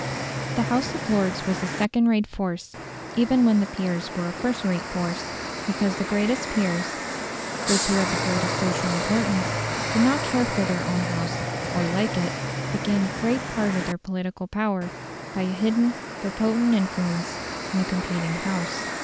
The House of Lords was a second rate force, even when the peers were a first rate force, because the greatest peers, those who had the greatest social importance, did not care for their own House, or like it, but gained great part of their political power by a hidden but potent influence in the competing House.